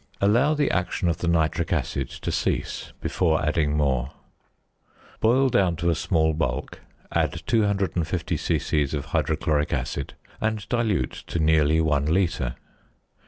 Allow the action of the nitric acid to cease before adding more. Boil down to a small bulk, add 250 c.c. of hydrochloric acid, and dilute to nearly 1 litre.